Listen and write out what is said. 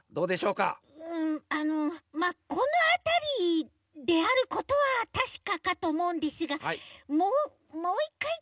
うんあのまっこのあたりであることはたしかかとおもうんですがももう１かい